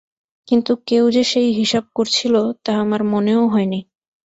কিন্তু কেউ যে সেই হিসাব করছিল তা আমার মনেও হয় নি।